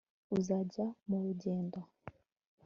uzajya murugendo